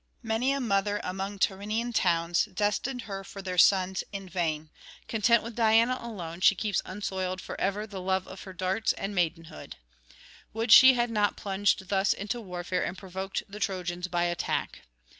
Many a mother among Tyrrhenian towns destined her for their sons in vain; content with Diana alone, she keeps unsoiled for ever the love of her darts and maidenhood. Would she had not plunged thus into warfare and provoked the Trojans by attack!